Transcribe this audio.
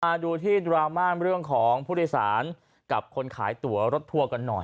มาดูที่ดราม่าเรื่องของผู้โดยสารกับคนขายตัวรถทัวร์กันหน่อย